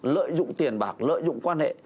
lợi dụng tiền bạc lợi dụng quan hệ